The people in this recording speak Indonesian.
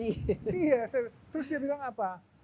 iya terus dia bilang apa